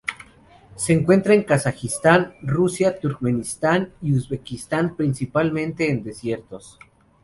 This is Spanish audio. Se encuentra en Kazajistán, Rusia, Turkmenistán y Uzbekistán, principalmente en los desiertos.